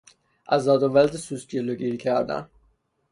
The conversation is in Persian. از زاد و ولد سوسک جلوگیری کردن